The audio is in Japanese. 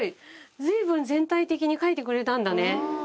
随分全体的に描いてくれたんだね。